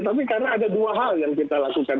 tapi karena ada dua hal yang kita lakukan